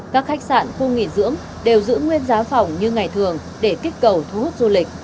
các khách sạn khu nghỉ dưỡng đều giữ nguyên giá phòng như ngày thường để kích cầu thu hút du lịch